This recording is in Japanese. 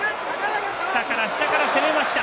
下から下から攻めました。